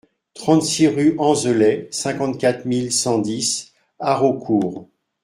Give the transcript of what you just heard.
trente-six rue Hanzelet, cinquante-quatre mille cent dix Haraucourt